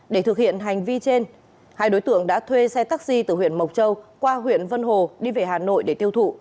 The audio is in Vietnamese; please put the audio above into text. để thực hiện hành vi trên hai đối tượng đã thuê xe taxi từ huyện mộc châu qua huyện vân hồ đi về hà nội để tiêu thụ